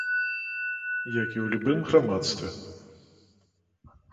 Як і ў любым грамадстве.